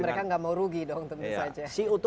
mereka nggak mau rugi dong tentu saja